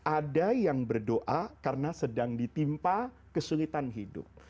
ada yang berdoa karena sedang ditimpa kesulitan hidup